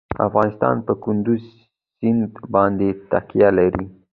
افغانستان په کندز سیند باندې تکیه لري.